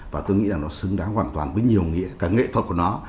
và tôi nghĩ là nó xứng đáng hoàn toàn với nhiều nghĩa cả nghệ thuật của nó